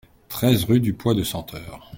treize rue du Pois de Senteur